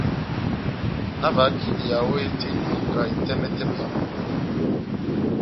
Nahavahak' idiya ó hé tɛ́h eni ka etɛmɛtɛmɛ yá moto.